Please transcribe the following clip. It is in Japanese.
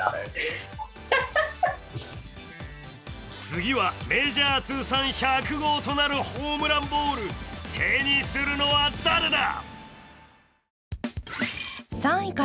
次はメジャー通算１００号となるホームランボール、手にするのは誰だ？